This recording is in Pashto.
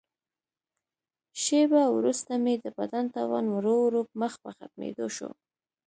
شیبه وروسته مې د بدن توان ورو ورو مخ په ختمېدو شو.